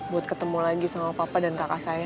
buat ketemu lagi sama papa dan kakak saya